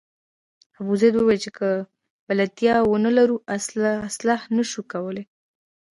ابوزید وویل چې که بلدتیا ونه لرو اصلاح نه شو کولای.